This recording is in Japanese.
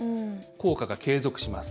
効果が継続します。